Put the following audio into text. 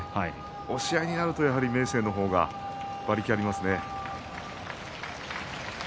押し合いになるとやはり明生の方が馬力がありますね。